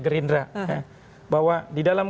gerindra bahwa di dalam